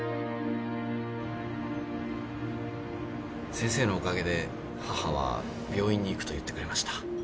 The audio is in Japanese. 先生のおかげで母は病院に行くと言ってくれました。